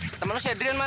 kita berhenti dengan hati